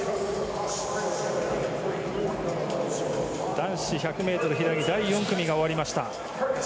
男子１００ｍ平泳ぎ第４組が終わりました。